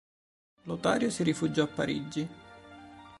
Lotario si rifugiò a Parigi.